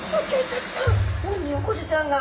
たくさんオニオコゼちゃんが。